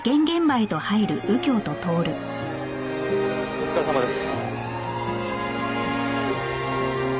お疲れさまです。